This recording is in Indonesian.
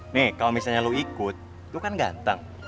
nih kalo misalnya lu ikut lu kan ganteng